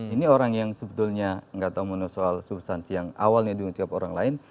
ini orang yang sebetulnya nggak tahu soal substansi yang awalnya diucap orang lain